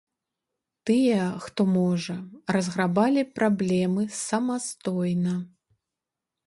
Тыя, хто можа, разграбалі праблемы самастойна.